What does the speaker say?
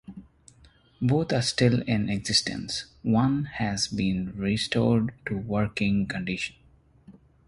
Both are still in existence, one has been restored to working condition.